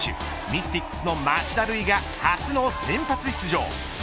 ミスティックスの町田瑠唯が初の先発出場。